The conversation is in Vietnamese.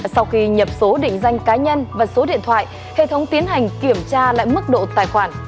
sau khi nhập số định danh cá nhân và số điện thoại hệ thống tiến hành kiểm tra lại mức độ tài khoản